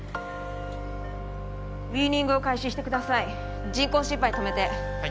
ウィーニングを開始してください人工心肺止めてはい